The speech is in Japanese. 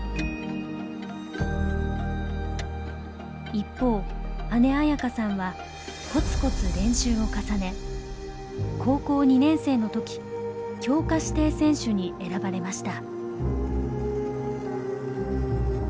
一方姉紋可さんはコツコツ練習を重ね高校２年生の時強化指定選手に選ばれました。